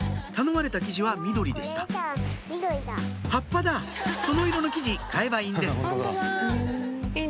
頼まれた生地は緑でした葉っぱだその色の生地買えばいいんです